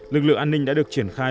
lực lượng an ninh đã được triển khai